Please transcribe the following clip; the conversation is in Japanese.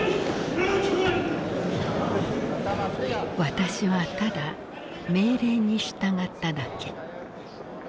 「私はただ命令に従っただけ」。